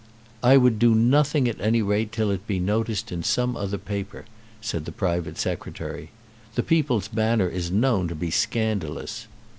"I would do nothing at any rate till it be noticed in some other paper," said the private Secretary. "The 'People's Banner' is known to be scandalous."